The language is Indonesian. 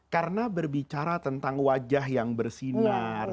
karena berbicara tentang wajah yang bersinar